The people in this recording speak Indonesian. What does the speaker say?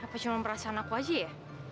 aku cuma perasaan aku aja ya